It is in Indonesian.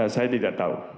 saya tidak tahu